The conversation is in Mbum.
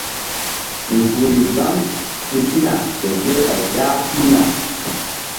Nzukri gbam si sina ke kerɓay ƴah pihna.